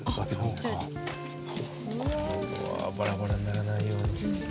うわバラバラにならないように。